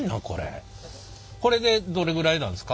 これでどれぐらいなんですか？